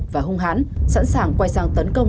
và hùng hán sẵn sàng quay sang tấn công